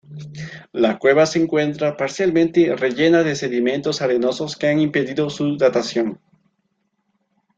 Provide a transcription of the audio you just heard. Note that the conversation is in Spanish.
La cueva se encuentra parcialmente rellena de sedimentos arenosos que han impedido su datación.